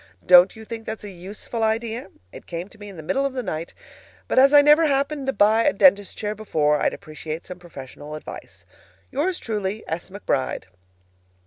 Don't you think that's a useful idea? It came to me in the middle of the night, but as I never happened to buy a dentist's chair before, I'd appreciate some professional advice. Yours truly, S. McBRIDE.